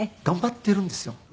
頑張ってるんですよ。